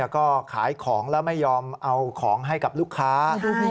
ก็ขายของแล้วไม่ยอมเอาของให้กับลูกค้า